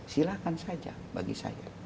silahkan saja bagi saya